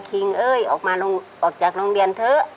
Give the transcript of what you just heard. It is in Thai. คิงเอ้ยออกมาออกจากโรงเรียนเถอะ